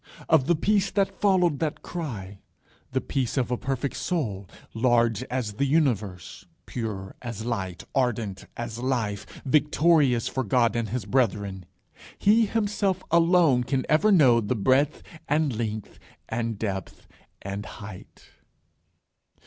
Of the peace that followed that cry, the peace of a perfect soul, large as the universe, pure as light, ardent as life, victorious for God and his brethren, he himself alone can ever know the breadth and length, and depth and height.